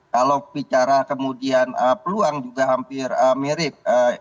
kalau bicara kemudian peluang juga hampir mirip